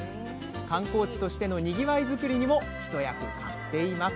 観光地としてのにぎわい作りにも一役買っています